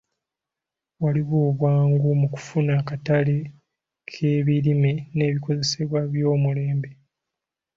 Waliwo obwangu mu kufuna akatale k'ebirime n'ebikozesebwa eby'omulembe.